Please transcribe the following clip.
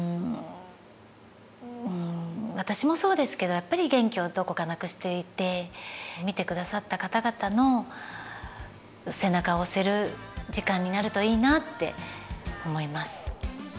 私もそうですけどやっぱり元気をどこかなくしていて見てくださった方々の背中を押せる時間になるといいなって思います。